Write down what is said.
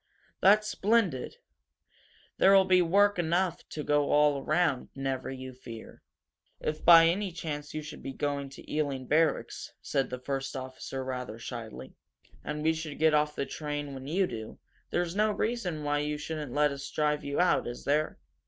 That's splendid! There'll be work enough to go all around, never you fear." "If, by any chance, you should be going to Ealing Barracks," said the first officer, rather shyly, "and we should get off the train when you do, there's no reason why you shouldn't let us drive you out, is there?